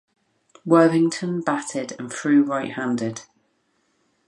Worthington batted and threw right-handed.